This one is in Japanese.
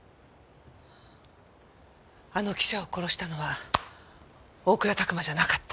あの記者を殺したのは大倉琢磨じゃなかった。